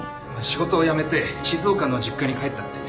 仕事を辞めて静岡の実家に帰ったって。